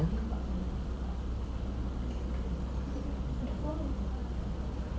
sudah tau gak sih duduk masalahnya